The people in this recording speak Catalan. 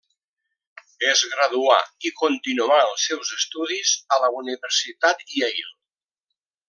Es graduà i continuà els seus estudis a la Universitat Yale.